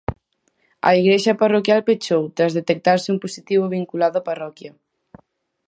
A igrexa parroquial pechou, tras detectarse un positivo vinculado á parroquia.